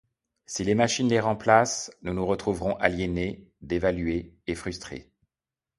Si les machines les remplacent, nous nous retrouverons aliénés, dévalués et frustrés.